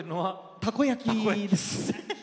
たこ焼きです。